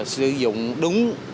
sử dụng đúng